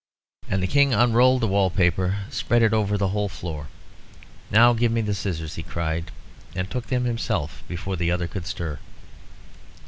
And the King unrolled the wall paper, spreading it over the whole floor. "Now give me the scissors," he cried, and took them himself before the other could stir.